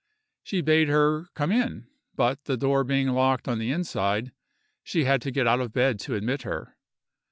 She bade her come in, but, the door being locked on the inside, she had to get out of bed to admit her.